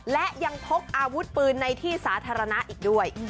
และยังพกอาวุธปืนในที่สาธารณะอีกด้วย